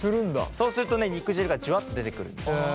そうすると肉汁がジュワッと出てくるんです。